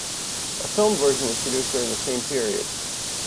A film version was produced during the same period.